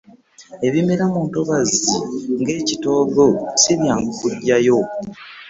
Ebimera mu ntobazzi ng'ekitoogo si byangu kuggyayo.